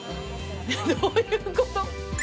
どういうこと？